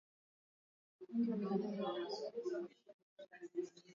Ongeza vitunguu swaumu kitunguu na pilau masala kisha ongeza nyanya na nyama bila supu